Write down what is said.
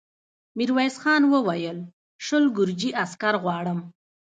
ميرويس خان وويل: شل ګرجي عسکر غواړم.